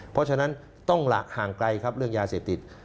เพราะฉะนั้นต้องหลักห่างไกลครับเรื่องยาเสพติด